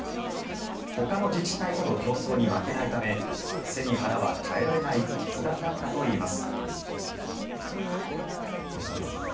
ほかの自治体との競争に負けないため背に腹は代えられない決断だったといいます。